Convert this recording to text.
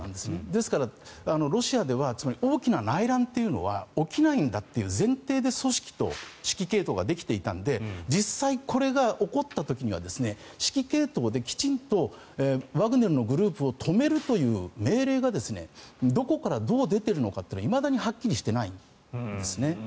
ですから、ロシアでは大きな内乱というのは起きないんだという前提で組織と指揮系統ができていたので実際、これが起こった時には指揮系統で、きちんとワグネルのグループを止めるという命令がどこからどう出ているのかはいまだにはっきりしていないんですね。